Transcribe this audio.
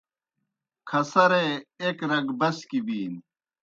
کھسرے ایْک رگ بسکی بِینیْ